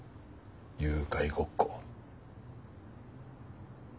誘拐ごっこ。